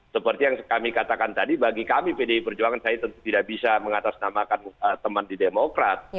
seperti yang kami katakan tadi bagi kami pdi perjuangan saya tentu tidak bisa mengatasnamakan teman di demokrat